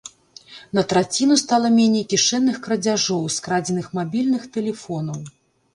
На траціну стала меней кішэнных крадзяжоў, скрадзеных мабільных тэлефонаў.